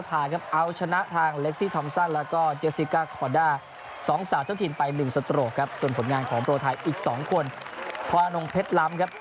พาวนมเพชรล้ำครับ